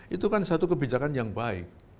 itu kan satu kebijakan yang baik